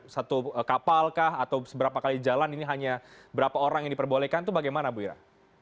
satu kapal kah atau seberapa kali jalan ini hanya berapa orang yang diperbolehkan itu bagaimana bu ira